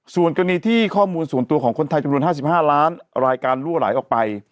ส่วนกรณีที่ข้อมูลส่วนตัวของคนไทยจำนวน๕๕ล้านรายการลั่วไหลออกไป